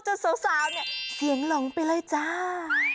สาวเนี่ยเสียงหลงไปเลยจ้า